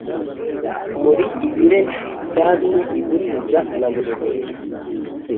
muri ibirezi byamye i buriza na buremera